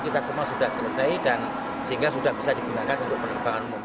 kita semua sudah selesai dan sehingga sudah bisa digunakan untuk penerbangan umum